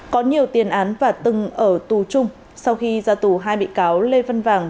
có nhiều tiền án và từng ở tù chung sau khi ra tù hai bị cáo lê văn vàng